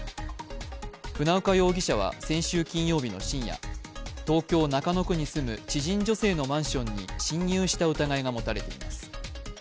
船岡容疑者は先週金曜日の深夜東京・中野区に住む知人女性のマンションに侵入した疑いが持たれています。